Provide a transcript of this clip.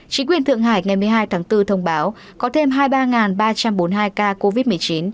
chính quyền thượng hải ngày một mươi hai tháng bốn thông báo có thêm hai mươi ba ba trăm bốn mươi hai ca covid một mươi chín